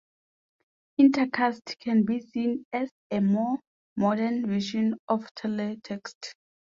Intercast can be seen as a more modern version of teletext.